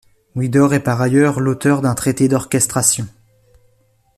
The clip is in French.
Widor est par ailleurs l'auteur d'un traité d'orchestration.